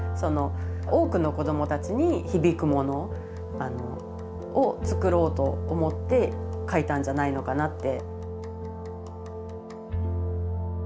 多くの子どもたちに響くものを作ろうと思って描いたんじゃないのかなって。